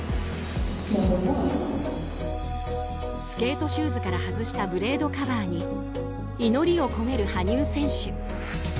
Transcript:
スケートシューズから外したブレードカバーに祈りを込める羽生選手。